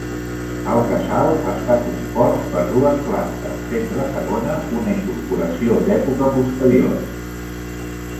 El casal està compost per dues plantes, sent la segona una incorporació d'època posterior.